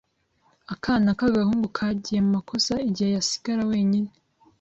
Akana k'agahungu kagiye mu makosa igihe yasigara wenyine.